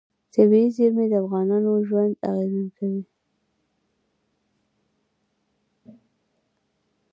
طبیعي زیرمې د افغانانو ژوند اغېزمن کوي.